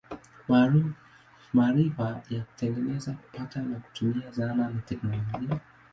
Maarifa ya kutengeneza, kupata na kutumia zana ni teknolojia.